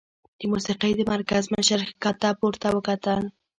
د موسيقۍ د مرکز مشر ښکته پورته ورته وکتل